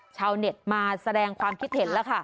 ชาวเน็ตมาแสดงความคิดเห็นแล้วค่ะ